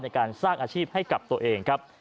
ในการสร้างอาชีพให้กับตัวเองครับ